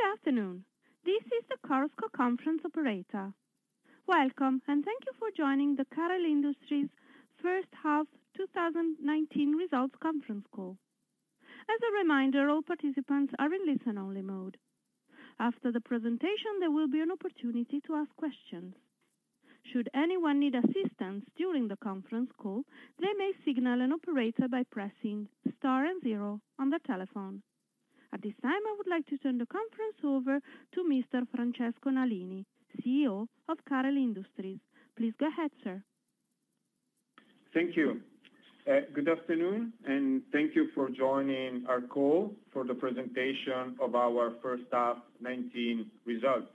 Good afternoon. This is the Chorus Call conference operator. Welcome, and thank you for joining the Carel Industries first half 2019 results conference call. As a reminder, all participants are in listen-only mode. After the presentation, there will be an opportunity to ask questions. Should anyone need assistance during the conference call, they may signal an operator by pressing star and zero on their telephone. At this time, I would like to turn the conference over to Mr Francesco Nalini, CEO of Carel Industries. Please go ahead, sir. Thank you. Good afternoon, and thank you for joining our call for the presentation of our first half 2019 results.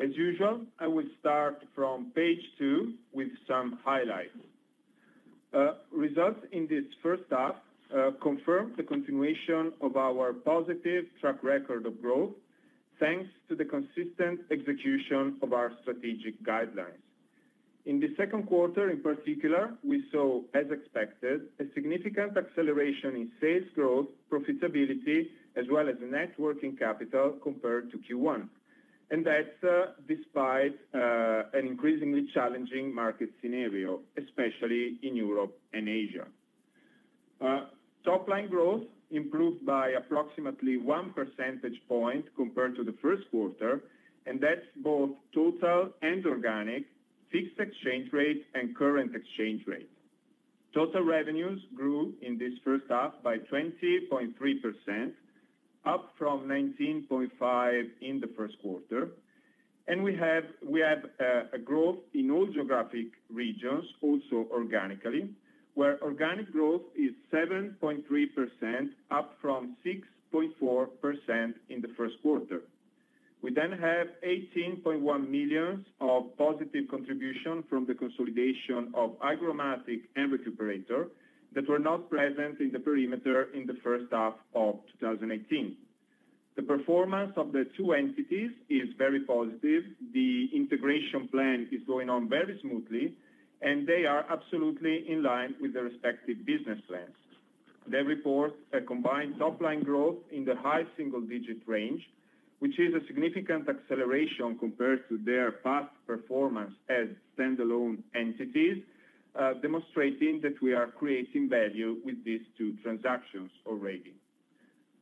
As usual, I will start from page two with some highlights. Results in this first half confirm the continuation of our positive track record of growth thanks to the consistent execution of our strategic guidelines. In the second quarter, in particular, we saw, as expected, a significant acceleration in sales growth, profitability, as well as net working capital compared to Q1. That's despite an increasingly challenging market scenario, especially in Europe and Asia. Top line growth improved by approximately one percentage point compared to the first quarter, and that's both total and organic, fixed exchange rate and current exchange rate. Total revenues grew in this first half by 20.3%, up from 19.5% in the first quarter. We have a growth in all geographic regions, also organically, where organic growth is 7.3%, up from 6.4% in the first quarter. We have 18.1 million of positive contribution from the consolidation of HygroMatik and Recuperator that were not present in the perimeter in the first half of 2018. The performance of the two entities is very positive. The integration plan is going on very smoothly, and they are absolutely in line with the respective business plans. They report a combined top-line growth in the high single-digit range, which is a significant acceleration compared to their past performance as standalone entities, demonstrating that we are creating value with these two transactions already.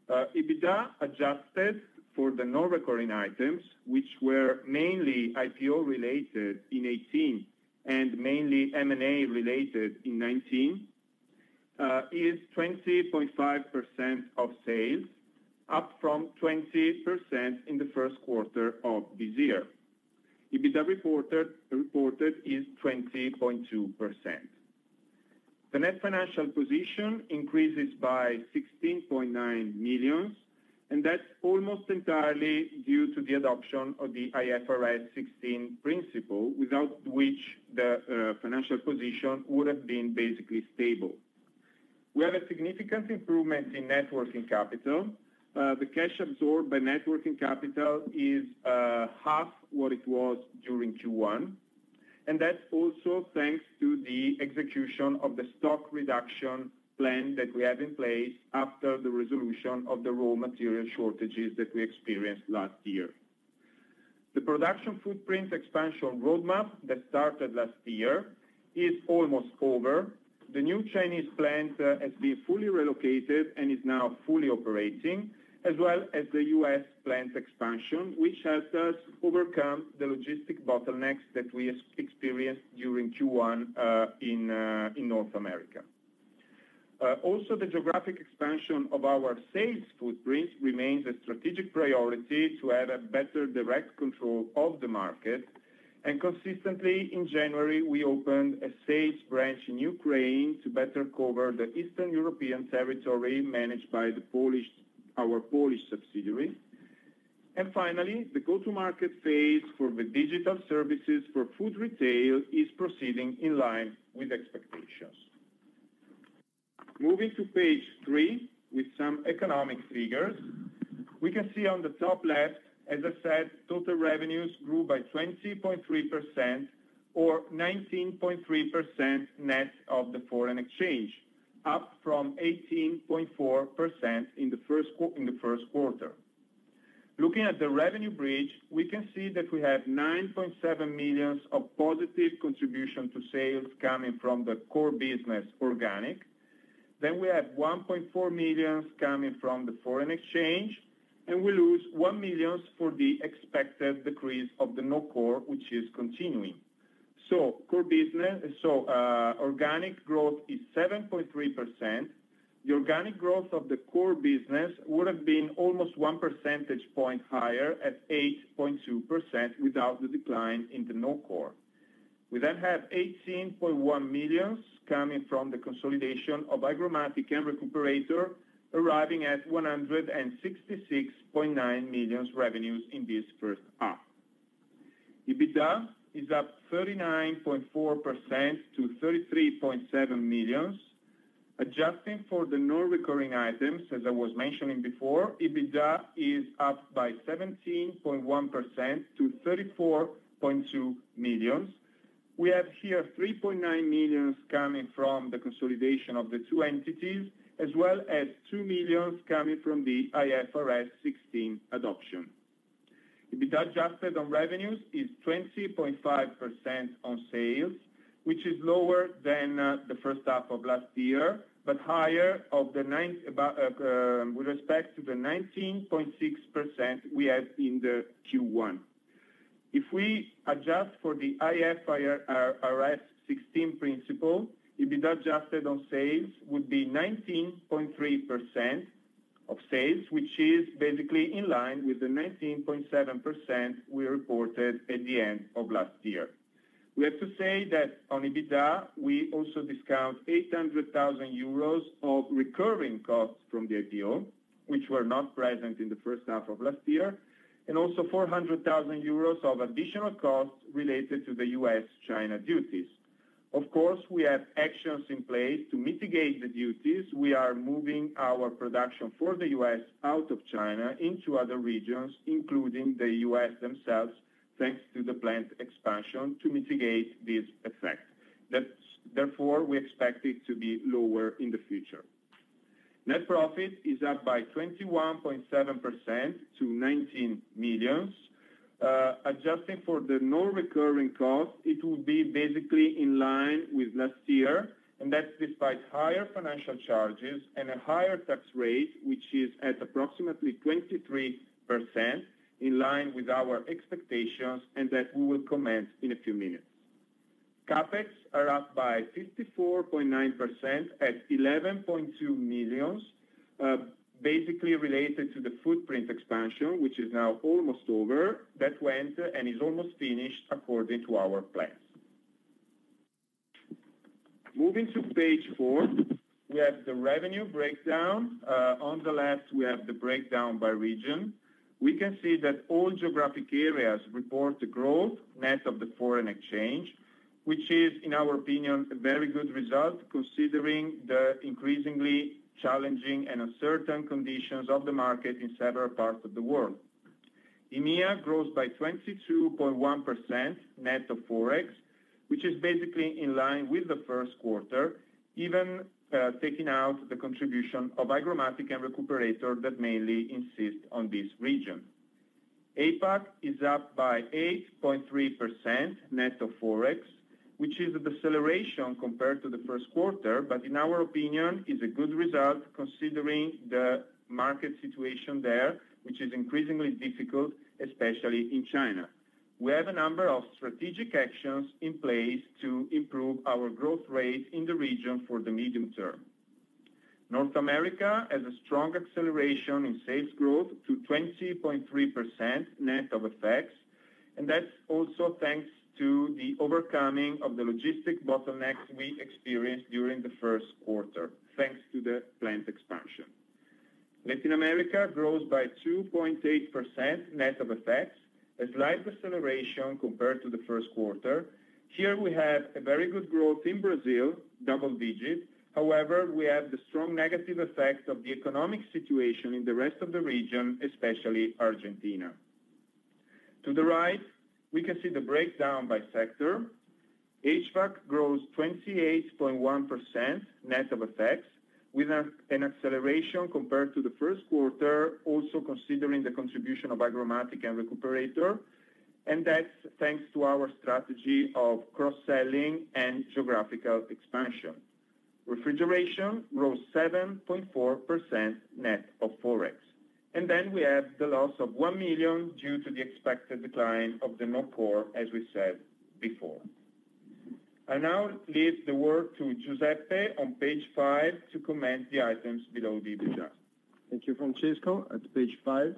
EBITDA adjusted for the non-recurring items, which were mainly IPO related in 2018 and mainly M&A related in 2019, is 20.5% of sales, up from 20% in the first quarter of this year. EBITDA reported is 20.2%. The net financial position increases by 16.9 million, that's almost entirely due to the adoption of the IFRS 16 principle, without which the financial position would have been basically stable. We have a significant improvement in net working capital. The cash absorbed by net working capital is half what it was during Q1, that's also thanks to the execution of the stock reduction plan that we have in place after the resolution of the raw material shortages that we experienced last year. The production footprint expansion roadmap that started last year is almost over. The new Chinese plant has been fully relocated and is now fully operating, as well as the U.S. plant expansion, which helped us overcome the logistic bottlenecks that we experienced during Q1 in North America. Also, the geographic expansion of our sales footprint remains a strategic priority to have a better direct control of the market. Consistently, in January, we opened a sales branch in Ukraine to better cover the Eastern European territory managed by our Polish subsidiary. Finally, the go-to market phase for the digital services for food retail is proceeding in line with expectations. Moving to page three with some economic figures. We can see on the top left, as I said, total revenues grew by 20.3% or 19.3% net of the foreign exchange, up from 18.4% in the first quarter. Looking at the revenue bridge, we can see that we have 9.7 million of positive contribution to sales coming from the core business organic. We have 1.4 million coming from the foreign exchange, and we lose 1 million for the expected decrease of the non-core, which is continuing. Organic growth is 7.3%. The organic growth of the core business would have been almost one percentage point higher at 8.2% without the decline in the non-core. We have 18.1 million coming from the consolidation of HygroMatik and Recuperator, arriving at 166.9 million revenues in this first half. EBITDA is up 39.4% to 33.7 million. Adjusting for the non-recurring items, as I was mentioning before, EBITDA is up by 17.1% to 34.2 million. We have here 3.9 million coming from the consolidation of the two entities, as well as 2 million coming from the IFRS 16 adoption. EBITDA adjusted on revenues is 20.5% on sales, which is lower than the first half of last year, but higher with respect to the 19.6% we had in the Q1. If we adjust for the IFRS 16 principle, EBITDA adjusted on sales would be 19.3% of sales, which is basically in line with the 19.7% we reported at the end of last year. We have to say that on EBITDA, we also discount 800,000 euros of recurring costs from the IPO, which were not present in the first half of last year, and also 400,000 euros of additional costs related to the U.S.-China duties. Of course, we have actions in place to mitigate the duties. We are moving our production for the U.S. out of China into other regions, including the U.S. themselves, thanks to the plant expansion to mitigate this effect. Therefore, we expect it to be lower in the future. Net profit is up by 21.7% to 19 million. Adjusting for the non-recurring costs, it will be basically in line with last year, and that's despite higher financial charges and a higher tax rate, which is at approximately 23%, in line with our expectations, and that we will comment in a few minutes. CapEx are up by 54.9% at 11.2 million, basically related to the footprint expansion, which is now almost over. That went and is almost finished according to our plans. Moving to page four, we have the revenue breakdown. On the left, we have the breakdown by region. We can see that all geographic areas report a growth net of the foreign exchange, which is, in our opinion, a very good result considering the increasingly challenging and uncertain conditions of the market in several parts of the world. EMEA grows by 22.1% net of Forex, which is basically in line with the first quarter, even taking out the contribution of HygroMatik and Recuperator that mainly insist on this region. APAC is up by 8.3% net of Forex, which is a deceleration compared to the first quarter, but in our opinion, is a good result considering the market situation there, which is increasingly difficult, especially in China. We have a number of strategic actions in place to improve our growth rate in the region for the medium term. North America has a strong acceleration in sales growth to 20.3% net of Forex, and that's also thanks to the overcoming of the logistic bottlenecks we experienced during the first quarter, thanks to the plant expansion. Latin America grows by 2.8% net of Forex, a slight deceleration compared to the first quarter. Here we have a very good growth in Brazil, double digits. We have the strong negative effects of the economic situation in the rest of the region, especially Argentina. To the right, we can see the breakdown by sector. HVAC grows 28.1% net of effects, with an acceleration compared to the first quarter, also considering the contribution of HygroMatik and Recuperator. That's thanks to our strategy of cross-selling and geographical expansion. Refrigeration grows 7.4% net of Forex. We have the loss of 1 million due to the expected decline of the non-core, as we said before. I now leave the word to Giuseppe on page five to comment the items below the EBITDA. Thank you, Francesco. At page five,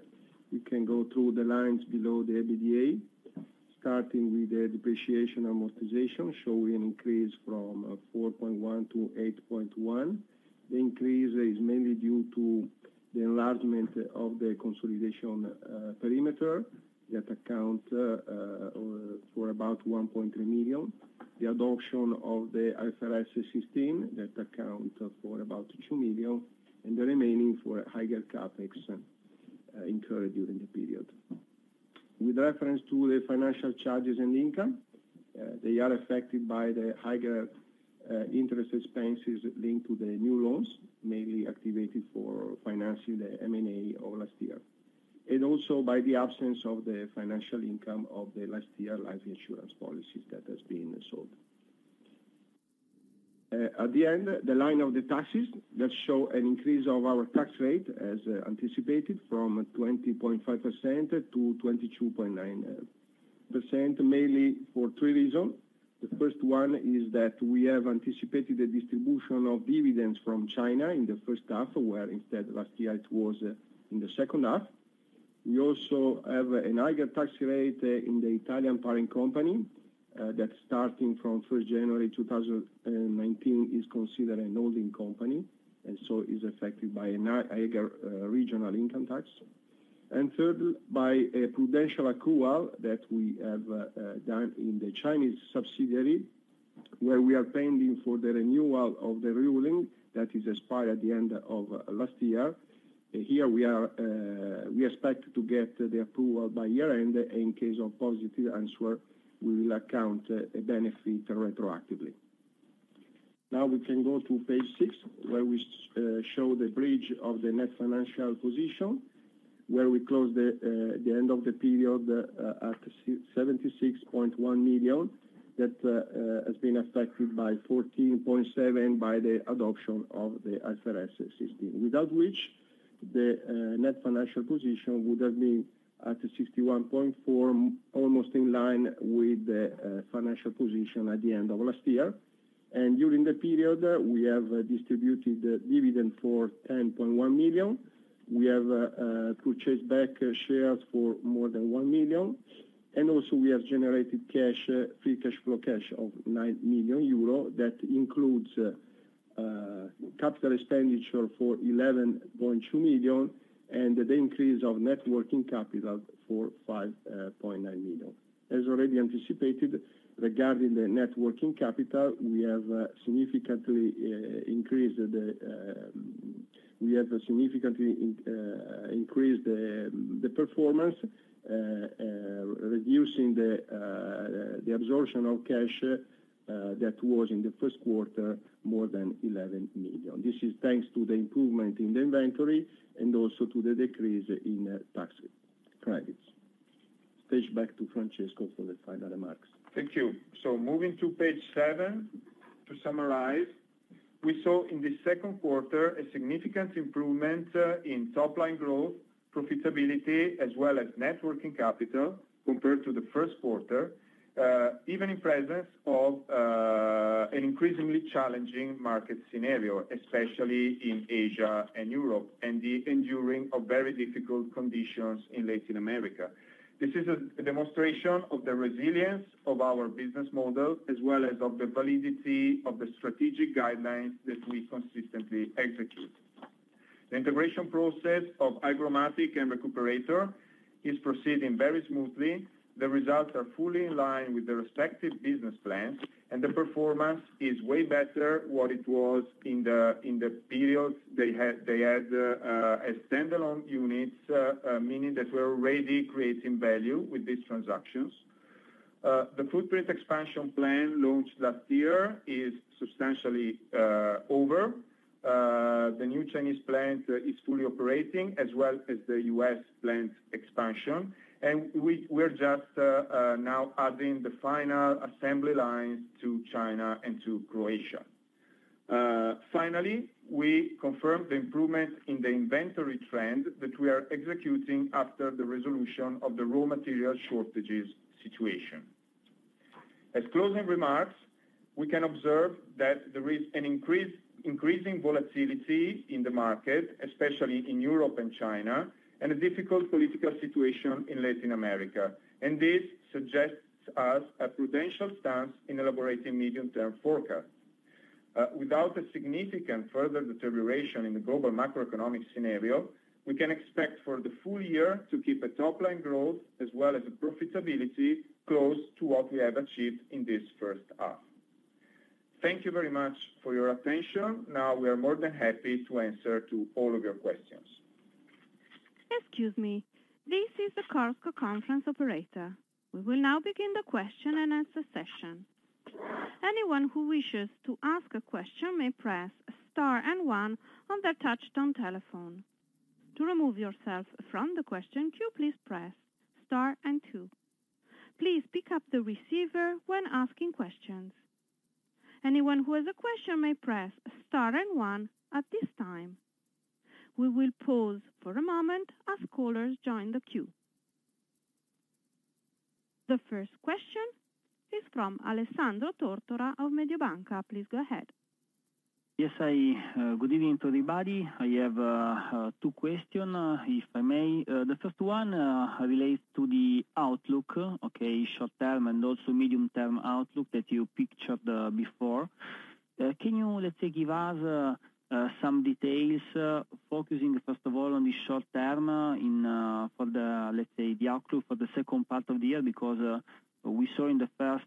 you can go through the lines below the EBITDA, starting with the depreciation amortization, showing an increase from 4.1 to 8.1. The increase is mainly due to the enlargement of the consolidation perimeter that accounts for about 1.3 million, the adoption of the IFRS system that account for about 2 million, and the remaining for higher CapEx incurred during the period. With reference to the financial charges and income, they are affected by the higher interest expenses linked to the new loans, mainly activated for financing the M&A of last year, and also by the absence of the financial income of the last year life insurance policies that has been sold. At the end, the line of the taxes that show an increase of our tax rate as anticipated from 20.5% to 22.9%, mainly for three reasons. The first one is that we have anticipated the distribution of dividends from China in the first half, where instead last year it was in the second half. We also have a higher tax rate in the Italian parent company, that starting from 1st January 2019 is considered a holding company, and so is affected by a higher regional income tax. Thirdly, by a prudential accrual that we have done in the Chinese subsidiary, where we are pending for the renewal of the ruling that is expired at the end of last year. Here we expect to get the approval by year-end. In case of positive answer, we will account a benefit retroactively. Now we can go to page six, where we show the bridge of the net financial position, where we close the end of the period at 76.1 million. That has been affected by 14.7 by the adoption of IFRS 16. Without which, the net financial position would have been at 61.4, almost in line with the financial position at the end of last year. During the period, we have distributed dividend for 10.1 million. We have purchased back shares for more than 1 million. Also we have generated free cash flow cash of 9 million euro. That includes capital expenditure for 11.2 million and the increase of net working capital for 5.9 million. As already anticipated, regarding the net working capital, we have significantly increased the performance, reducing the absorption of cash that was in the first quarter more than 11 million. This is thanks to the improvement in the inventory and also to the decrease in tax credits. Hand back to Francesco for the final remarks. Thank you. Moving to page seven, to summarize, we saw in the second quarter a significant improvement in top-line growth, profitability, as well as net working capital compared to the first quarter, even in presence of an increasingly challenging market scenario, especially in Asia and Europe, and the enduring of very difficult conditions in Latin America. This is a demonstration of the resilience of our business model, as well as of the validity of the strategic guidelines that we consistently execute. The integration process of HygroMatik and Recuperator is proceeding very smoothly. The results are fully in line with the respective business plans, and the performance is way better what it was in the period they had as standalone units, meaning that we're already creating value with these transactions. The footprint expansion plan launched last year is substantially over. The new Chinese plant is fully operating, as well as the U.S. plant expansion. We're just now adding the final assembly lines to China and to Croatia. Finally, we confirmed the improvement in the inventory trend that we are executing after the resolution of the raw material shortages situation. As closing remarks, we can observe that there is an increasing volatility in the market, especially in Europe and China, and a difficult political situation in Latin America. This suggests us a prudential stance in elaborating medium-term forecast. Without a significant further deterioration in the global macroeconomic scenario, we can expect for the full year to keep a top-line growth as well as profitability close to what we have achieved in this first half. Thank you very much for your attention. Now we are more than happy to answer to all of your questions. Excuse me. This is the Chorus Call conference operator. We will now begin the question and answer session. Anyone who wishes to ask a question may press Star and One on their touchtone telephone. To remove yourself from the question queue, please press Star and Two. Please pick up the receiver when asking questions. Anyone who has a question may press Star and One at this time. We will pause for a moment as callers join the queue. The first question is from Alessandro Tortora of Mediobanca. Please go ahead. Yes. Good evening to everybody. I have two questions, if I may. The first one relates to the outlook, okay, short term and also medium-term outlook that you pictured before. Can you, let's say, give us some details, focusing first of all on the short term for the outlook for the second part of the year? We saw in the first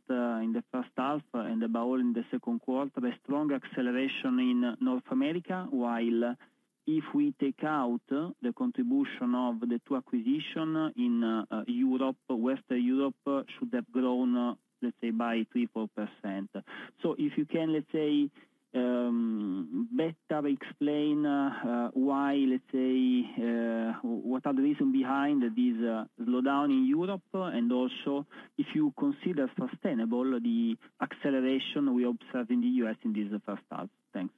half and about in the second quarter a strong acceleration in North America. While if we take out the contribution of the two acquisitions in Europe, Western Europe should have grown, let's say, by three, 4%. If you can better explain what are the reasons behind this slowdown in Europe, and also if you consider sustainable the acceleration we observe in the U.S. in this first half. Thanks.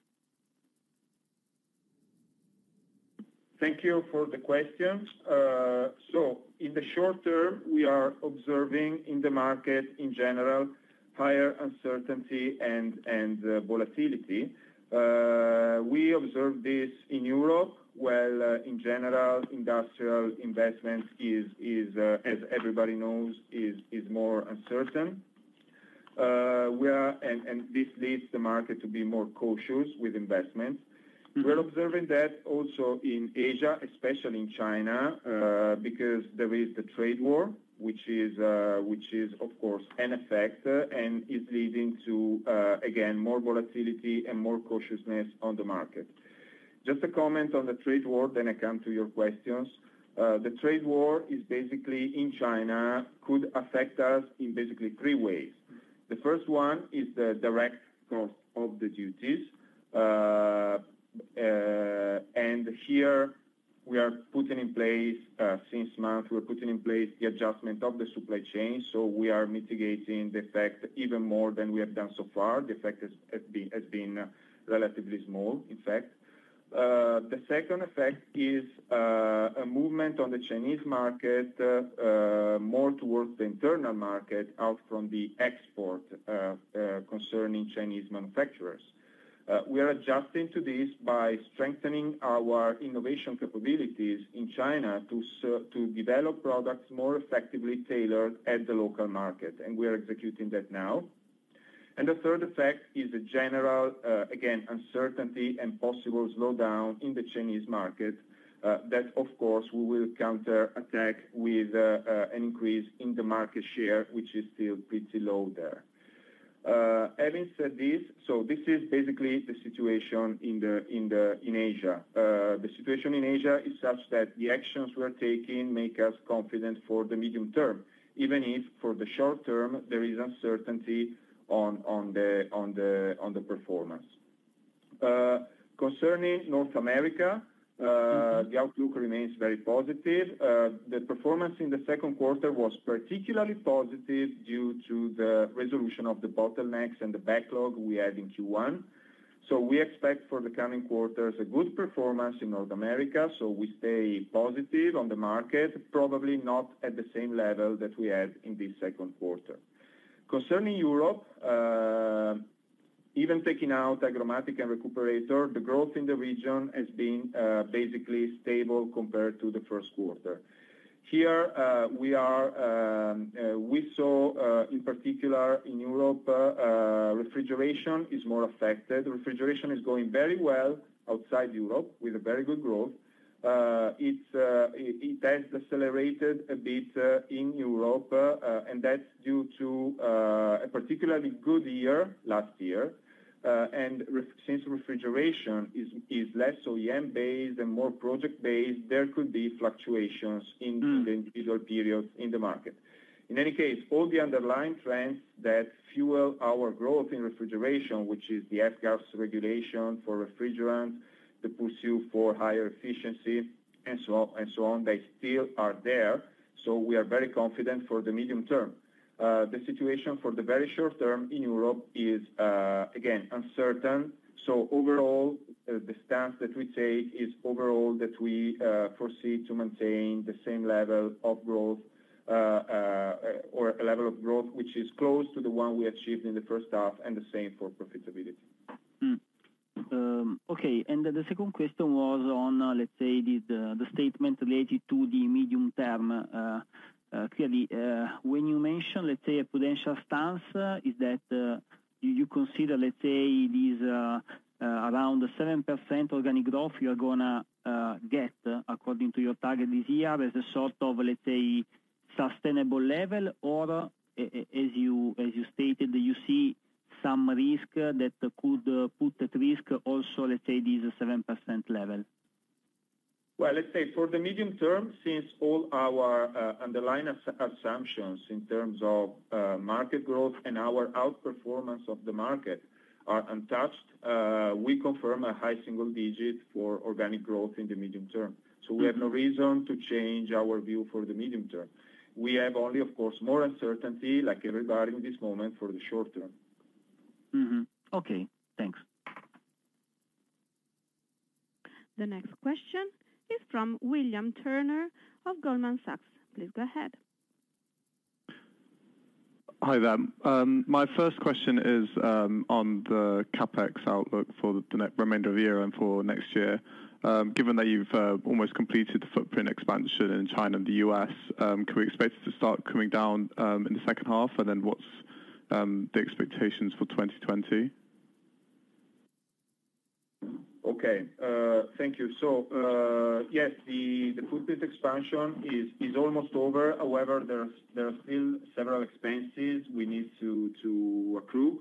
Thank you for the question. In the short term, we are observing in the market in general, higher uncertainty and volatility. We observe this in Europe, where in general, industrial investment is, as everybody knows, more uncertain. This leads the market to be more cautious with investments. We're observing that also in Asia, especially in China, because there is the trade war, which is of course an effect, and is leading to, again, more volatility and more cautiousness on the market. Just a comment on the trade war, then I come to your questions. The trade war, basically, in China, could affect us in basically three ways. The first one is the direct cost of the duties. Here, since last month, we are putting in place the adjustment of the supply chain, so we are mitigating the effect even more than we have done so far. The effect has been relatively small, in fact. The second effect is a movement on the Chinese market, more towards the internal market out from the export, concerning Chinese manufacturers. We are adjusting to this by strengthening our innovation capabilities in China to develop products more effectively tailored at the local market, and we are executing that now. The third effect is a general, again, uncertainty and possible slowdown in the Chinese market. That, of course, we will counterattack with an increase in the market share, which is still pretty low there. Having said this is basically the situation in Asia. The situation in Asia is such that the actions we're taking make us confident for the medium term, even if, for the short term, there is uncertainty on the performance. Concerning North America, the outlook remains very positive. The performance in the second quarter was particularly positive due to the resolution of the bottlenecks and the backlog we had in Q1. We expect for the coming quarters, a good performance in North America, we stay positive on the market, probably not at the same level that we had in this second quarter. Concerning Europe, even taking out HygroMatik and Recuperator, the growth in the region has been basically stable compared to the first quarter. Here, we saw, in particular in Europe, refrigeration is more affected. Refrigeration is going very well outside Europe, with a very good growth. It has decelerated a bit in Europe, that's due to a particularly good year last year. Since refrigeration is less OEM-based and more project-based, there could be fluctuations in the individual periods in the market. In any case, all the underlying trends that fuel our growth in refrigeration, which is the F-gas Regulation for refrigerant, the pursuit for higher efficiency, and so on, they still are there, so we are very confident for the medium term. The situation for the very short term in Europe is, again, uncertain. Overall, the stance that we take is overall that we proceed to maintain the same level of growth, or a level of growth which is close to the one we achieved in the first half, and the same for profitability. Okay. The second question was on, let's say, the statement related to the medium term. Clearly, when you mention, let's say, a prudential stance, do you consider, let's say, it is around the 7% organic growth you are going to get according to your target this year as a sort of sustainable level, or as you stated, you see some risk that could put at risk also this 7% level? Well, let's say for the medium term, since all our underlying assumptions in terms of market growth and our outperformance of the market are untouched, we confirm a high single digit for organic growth in the medium term. We have no reason to change our view for the medium term. We have only, of course, more uncertainty, like regarding this moment, for the short term. Okay, thanks. The next question is from William Turner of Goldman Sachs. Please go ahead. Hi there. My first question is on the CapEx outlook for the remainder of the year and for next year. Given that you've almost completed the footprint expansion in China and the U.S., can we expect it to start coming down in the second half? What's the expectations for 2020? Okay. Thank you. Yes, the footprint expansion is almost over. However, there are still several expenses we need to accrue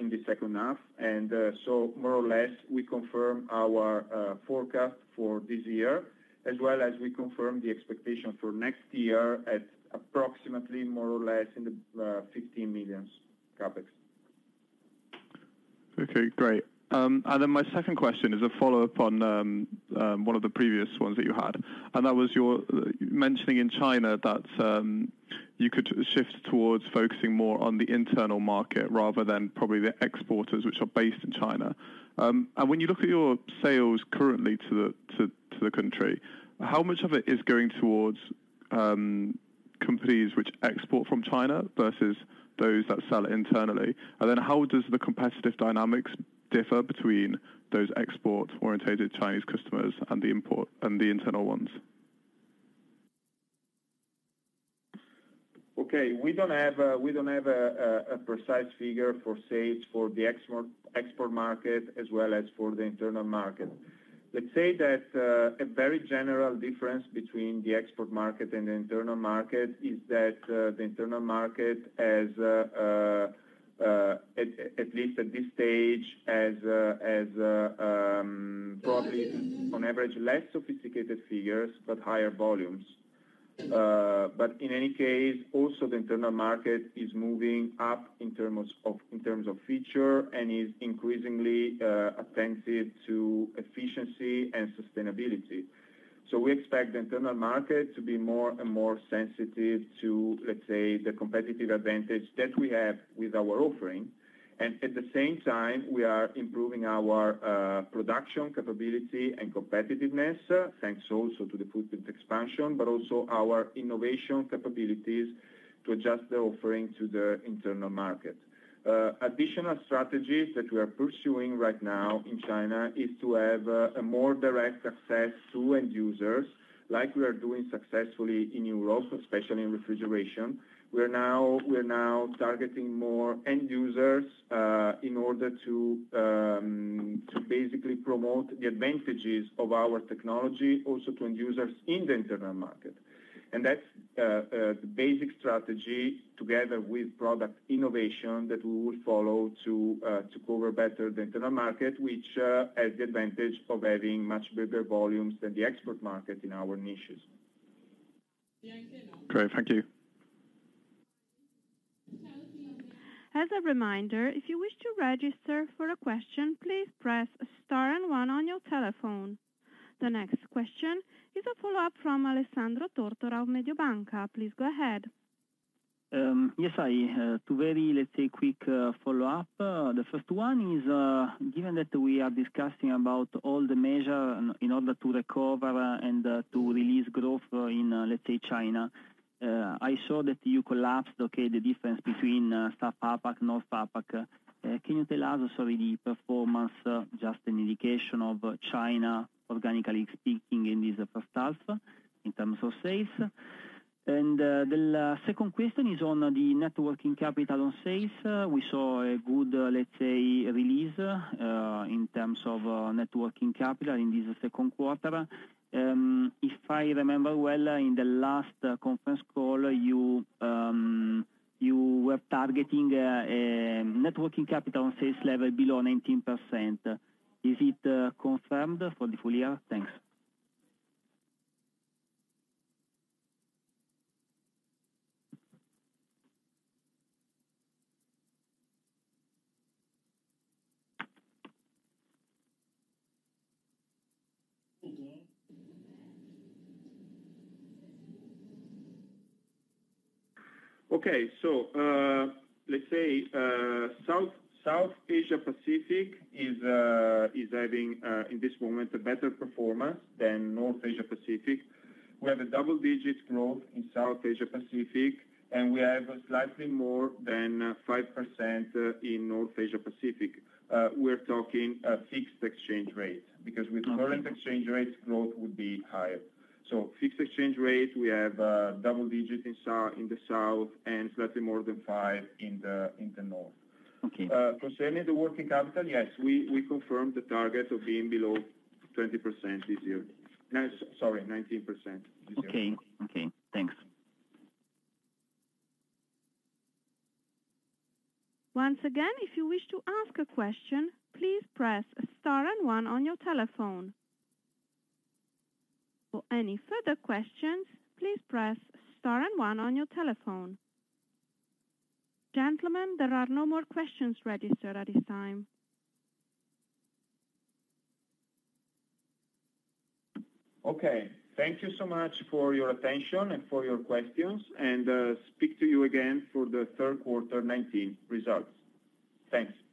in the second half. More or less, we confirm our forecast for this year, as well as we confirm the expectation for next year at approximately more or less in the 15 million CapEx. Okay, great. My second question is a follow-up on one of the previous ones that you had, and that was your mentioning in China that you could shift towards focusing more on the internal market rather than probably the exporters which are based in China. When you look at your sales currently to the country, how much of it is going towards companies which export from China versus those that sell internally? How does the competitive dynamics differ between those export-oriented Chinese customers and the internal ones? Okay. We don't have a precise figure for sales for the export market as well as for the internal market. Let's say that a very general difference between the export market and the internal market is that the internal market, at least at this stage, has probably, on average, less sophisticated figures, but higher volumes. In any case, also the internal market is moving up in terms of feature and is increasingly attentive to efficiency and sustainability. We expect the internal market to be more and more sensitive to, let's say, the competitive advantage that we have with our offering. At the same time, we are improving our production capability and competitiveness, thanks also to the footprint expansion, but also our innovation capabilities to adjust the offering to the internal market. Additional strategies that we are pursuing right now in China is to have a more direct access to end users, like we are doing successfully in Europe, especially in refrigeration. We are now targeting more end users in order to basically promote the advantages of our technology, also to end users in the internal market. That's the basic strategy together with product innovation that we will follow to cover better the internal market, which has the advantage of having much better volumes than the export market in our niches. Great. Thank you. As a reminder, if you wish to register for a question, please press star and one on your telephone. The next question is a follow-up from Alessandro Tortora of Mediobanca. Please go ahead. Yes. Two very, let's say, quick follow-up. The first one is, given that we are discussing about all the measure in order to recover and to release growth in, let's say, China, I saw that you collapsed the difference between South APAC, North APAC. Can you tell us, sorry, the performance, just an indication of China organically speaking in this first half in terms of sales? The second question is on the net working capital on sales. We saw a good, let's say, release, in terms of net working capital in this second quarter. If I remember well, in the last conference call, you were targeting a net working capital on sales level below 19%. Is it confirmed for the full year? Thanks. Okay. Let's say South Asia Pacific is having, in this moment, a better performance than North Asia Pacific. We have a double-digit growth in South Asia Pacific, and we have slightly more than 5% in North Asia Pacific. We're talking fixed exchange rate, because with current exchange rates, growth would be higher. Fixed exchange rate, we have double digit in the South and slightly more than 5 in the North. Okay. Concerning the working capital, yes, we confirm the target of being below 20% this year. Sorry, 19% this year. Okay. Thanks. Once again, if you wish to ask a question, please press star and one on your telephone. For any further questions, please press star and one on your telephone. Gentlemen, there are no more questions registered at this time. Okay. Thank you so much for your attention and for your questions. Speak to you again for the third quarter 2019 results. Thanks. Bye.